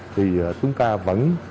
thì chúng ta vẫn